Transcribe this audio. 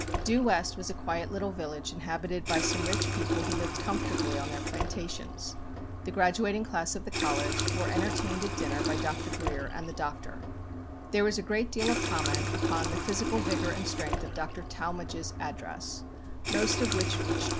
Due West was a quiet little village inhabited by some rich people who lived comfortably on their plantations. The graduating class of the college were entertained at dinner by Dr. Grier and the Doctor. There was a great deal of comment upon the physical vigour and strength of Dr. Talmage's address, most of which reached me.